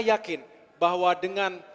yakin bahwa dengan